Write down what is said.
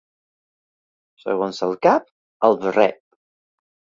Segons el cap, el barret.